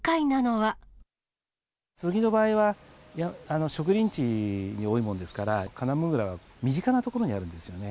スギの場合は、植林地に多いものですから、カナムグラは身近なところにあるんですよね。